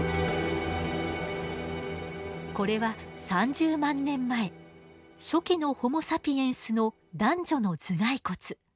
これは３０万年前初期のホモサピエンスの男女の頭蓋骨。